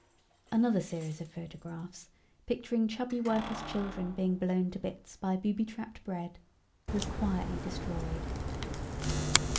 Another series of photographs, picturing chubby workers' children being blown to bits by booby trapped bread, was quietly destroyed.